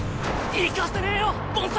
行かせねえよ凡才！